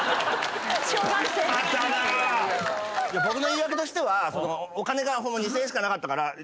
僕の言い訳としてはお金が２，０００円しかなかったから。